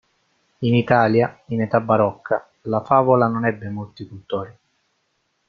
In Italia, in età barocca, la favola non ebbe molti cultori.